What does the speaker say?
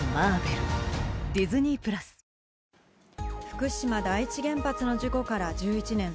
福島第一原発の事故から１１年。